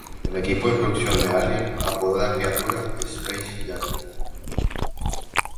El equipo de producción de "Alien" apodó a la criatura "Space Jockey".